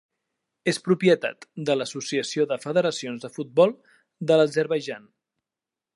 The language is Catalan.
És propietat de l'Associació de Federacions de Futbol de l'Azerbaidjan.